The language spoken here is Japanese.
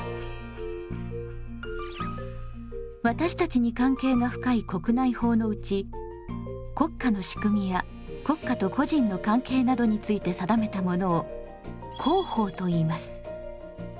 私たちに関係が深い国内法のうち国家の仕組みや国家と個人の関係などについて定めたものを公法といいます。